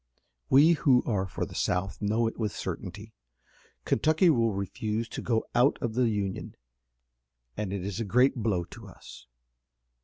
We who are for the South know it with certainty. Kentucky will refuse to go out of the Union, and it is a great blow to us.